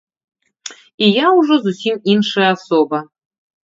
І я ўжо зусім іншая асоба.